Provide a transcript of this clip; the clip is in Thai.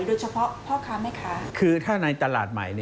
โดยเฉพาะพ่อค้าแม่ค้าคือถ้าในตลาดใหม่